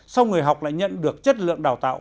sau người học lại nhận được chất lượng đào tạo